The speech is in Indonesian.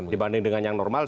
dibanding dengan yang normal